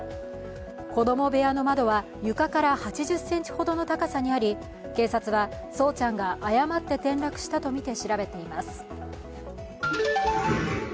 子供部屋の窓は床から８０ｃｍほどの高さにあり、警察は、聡ちゃんが誤って転落したとみて調べています。